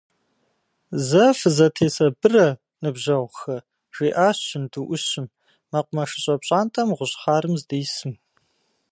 Зэ фызэтесабырэ, ныбжьэгъухэ! – жиӏащ жьынду ӏущым, мэкъумэшыщӏэ пщӏантӏэм гъущӏ хъарым здисым.